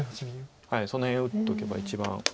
その辺打っとけば一番。